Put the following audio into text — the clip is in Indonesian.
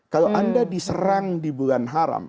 kalau anda diserang di bulan haram